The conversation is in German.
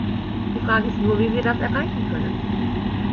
Die Frage ist nur, wie wir das erreichen können.